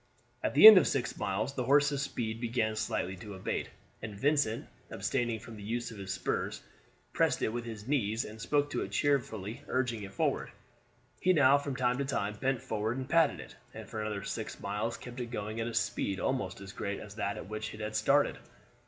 At the end of six miles the horse's speed began slightly to abate, and Vincent, abstaining from the use of his spurs, pressed it with his knees and spoke to it cheerfully urging it forward. He now from time to time bent forward and patted it, and for another six miles kept it going at a speed almost as great as that at which it had started.